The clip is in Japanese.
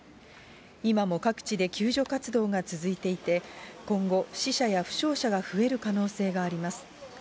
今も各地で救助活動が続いていて、今後、死者や負傷者が増える可能性があります。